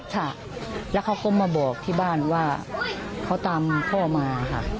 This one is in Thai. ค่ะแล้วเขาก็มาบอกที่บ้านว่าเขาตามพ่อมาค่ะ